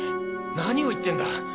何を言ってるんだ！